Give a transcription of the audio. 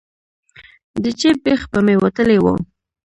د جیب بیخ به مې وتلی و.